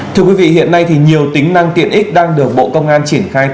thưa quý vị hiện nay thì nhiều tính năng tiện ích đang được bộ công an triển khai